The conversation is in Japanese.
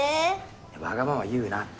わがまま言うなって。